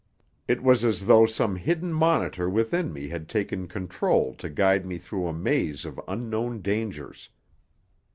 It was as though some hidden monitor within me had taken control to guide me through a maze of unknown dangers.